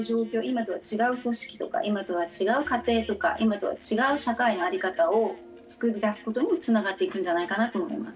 今とは違う組織とか今とは違う家庭とか今とは違う社会の在り方を作り出すことにもつながっていくんじゃないかなと思います。